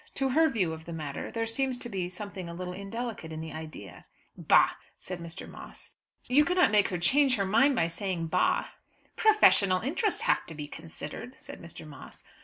To her view of the matter there seems to be something a little indelicate in the idea." "Bah!" said Mr. Moss. "You cannot make her change her mind by saying bah." "Professional interests have to be considered," said Mr. Moss.